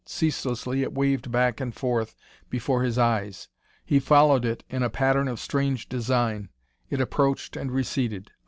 Ceaselessly it waved back and forth before his eyes; he followed it in a pattern of strange design; it approached and receded.